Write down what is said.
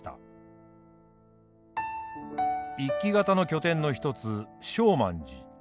一揆方の拠点の一つ勝鬘寺。